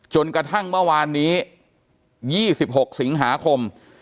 จนกระทั่งเมื่อวานนี้๒๖สิงหาคม